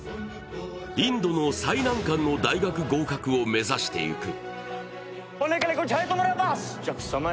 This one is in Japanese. インドの最難関の大学合格を目指していく。